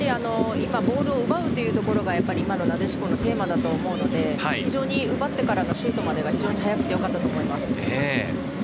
ボールを奪うところが今のなでしこのテーマだと思うので、奪ってからのシュートまでが早くて、よかったと思います。